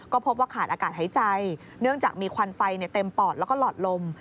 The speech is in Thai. ก็พบว่าขาดอากาศหายใจเนื่องจากมีควันไฟเต็มปอดแล้วก็หลอดลม